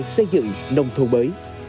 xây dựng nông thôn mới